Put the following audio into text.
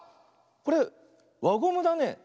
これわゴムだね。